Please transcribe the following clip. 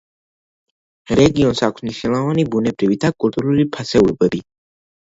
რეგიონს აქვს მნიშვნელოვანი ბუნებრივი და კულტურული ფასეულობები.